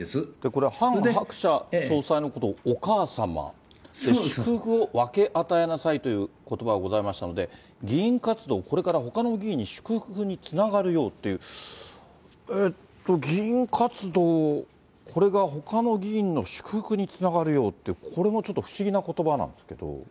これ、ハン・ハクチャ総裁のことをお母様、祝福を分け与えなさいということばがございましたので、議員活動、これがほかの議員の祝福につながるようっていう、えっと、議員活動、これがほかの議員の祝福につながるようって、これもちょっと不思議なことばなんですけど。